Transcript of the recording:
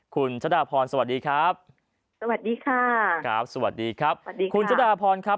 คุณสวัสดีครับสวัสดีค่ะครับสวัสดีครับสวัสดีค่ะคุณครับ